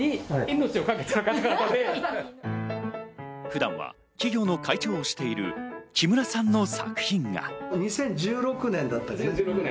普段は企業の会長をしている木村さんの作品が。